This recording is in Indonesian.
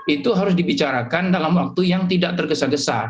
itu harus dibicarakan dalam waktu yang tidak tergesa gesa